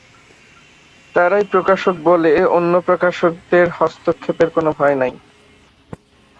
তাঁরাই প্রকাশক বলে অন্য প্রকাশকদের হস্তক্ষেপের কোন ভয় নেই।